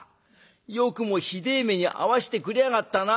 よくもひでえ目に遭わしてくれやがったな。